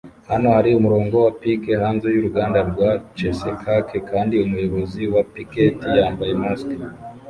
Hano hari umurongo wa pike hanze y'uruganda rwa cheesecake kandi umuyobozi wa piketi yambaye mask